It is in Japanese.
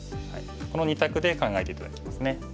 この２択で考えて頂きますね。